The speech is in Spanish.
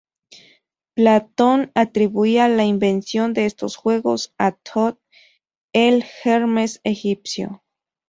Platón atribuía la invención de estos juegos a Toth, el Hermes egipcio.